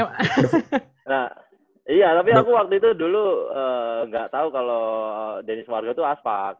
nah iya tapi aku waktu itu dulu ga tau kalau denny sumargo itu aspak